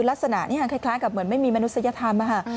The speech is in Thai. ลักษณะนี้คล้ายกับเหมือนไม่มีมนุษยธรรม